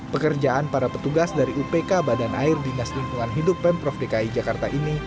pekerjaan para petugas dari upk badan air dinas lingkungan hidup pemprov dki jakarta ini